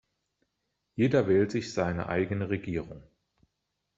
Jeder wählt sich seine eigene Regierung.